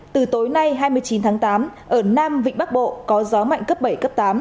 từ tối nay hai mươi chín tháng tám ở nam vịnh bắc bộ có gió mạnh cấp bảy cấp tám